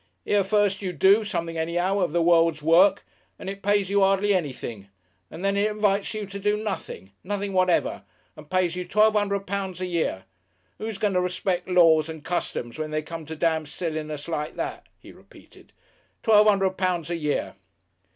Here first you do something anyhow of the world's work, and it pays you hardly anything, and then it invites you to do nothing, nothing whatever, and pays you twelve hundred pounds a year. Who's going to respect laws and customs when they come to damn silliness like that?" He repeated, "Twelve hundred pounds a year!"